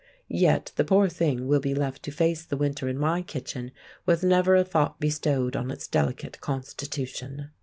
Yet the poor thing will be left to face the winter in my kitchen with never a thought bestowed on its delicate constitution.